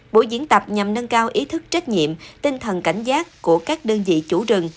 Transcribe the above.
bộ diễn tập nhằm nâng cao ý thức trách nhiệm tinh thần cảnh giác của các đơn vị chủ rừng